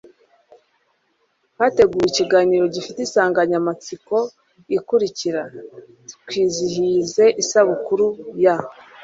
hateguwe ikiganiro gifite insangamatsiko ikurikira Twizihize Isabukuru ya